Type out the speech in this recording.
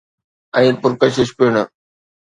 ۽ پرڪشش پڻ.